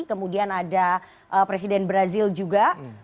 kemudian ada presiden brazil juga